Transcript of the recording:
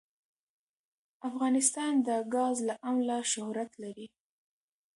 افغانستان د ګاز له امله شهرت لري.